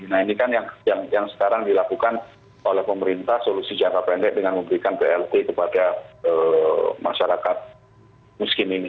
nah ini kan yang sekarang dilakukan oleh pemerintah solusi jangka pendek dengan memberikan plt kepada masyarakat miskin ini